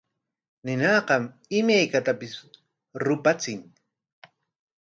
Ninaqam imaykatapis rupachin.